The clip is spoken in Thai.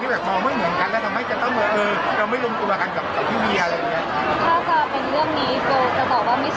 แบบมองไม่เหมือนกันแล้วทำให้จะต้องมาเออเราไม่รวมตัวกันกับพี่เวียอะไรอย่างนี้